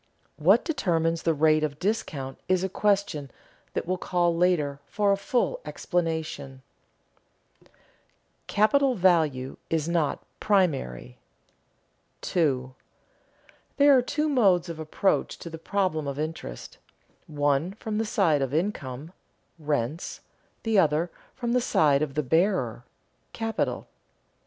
What determines the rate of discount is a question that will call later for a fuller explanation. [Sidenote: Capital value is not primary] 2. _There are two modes of approach to the problem of interest: one from the side of income (rents); the other, from the side of the bearer (capital).